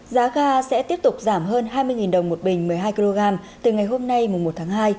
giá ga sẽ tiếp tục giảm hơn hai mươi đồng một bình một mươi hai kg từ ngày hôm nay một tháng hai